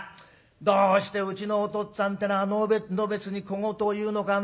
どうしてうちのおとっつぁんってのはのべつに小言を言うのかね。